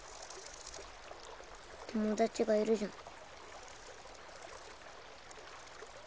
友達がいるじゃんか。